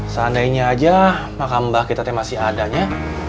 seandainya aja makam mbah kita masih ada